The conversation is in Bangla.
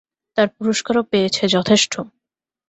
তাঁর পুরস্কারও পেয়েছে যথেষ্ট।